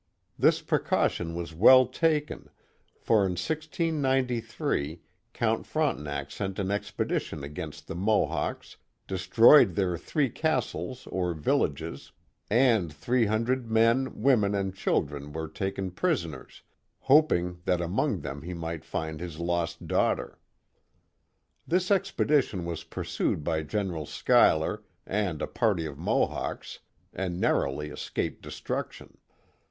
This precaution was well taken, for in 1693 Count Frontenac sent an expedition against the Mohawks, destroyed their three castles or villages, and three hundred men, women, and children were taken pris oners, hoping that among them he might find his lost daugh ter. This expedition was pursued by General Schuyler and a party of Mohawks, and narrowly escaped destruction.